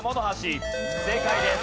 正解です。